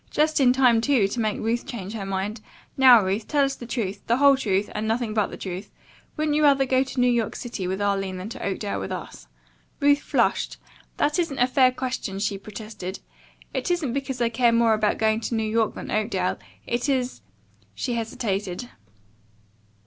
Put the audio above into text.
"Just in time, too, to make Ruth change her mind. Now, Ruth, tell us the truth, the whole truth, and nothing but the truth. Wouldn't you rather go to New York City with Arline than to Oakdale with us?" Ruth flushed. "That isn't a fair question," she protested. "It isn't because I care more about going to New York than Oakdale. It is " she hesitated.